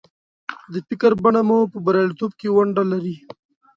د فکر بڼه مو په برياليتوب کې ونډه لري.